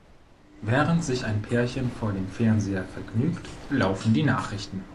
Während sich ein Pärchen vor dem Fernseher vergnügt, laufen die Nachrichten.